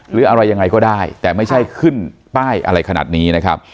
หรืออะไรยังไงก็ได้แต่ไม่ใช่ขึ้นป้ายอะไรขนาดนี้นะครับ